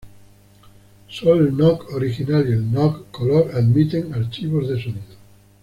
Sólo el Nook original y el Nook Color admiten archivos de sonido.